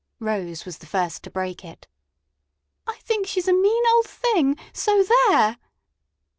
Rose was the first to break it. "I think she's a mean old thing so there!"